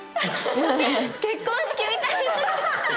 結婚式みたい！